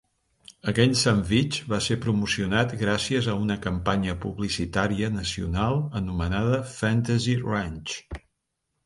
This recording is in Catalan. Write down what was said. Aquell sandvitx va ser promocionat gràcies a una campanya publicitària nacional anomenada "Fantasy Ranch".